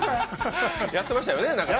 やってましたよね。